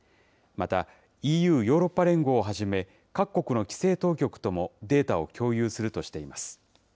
またＥＵ・ヨーロッパ連合をはじめ、各国の規制当局ともデータを共有するとしています。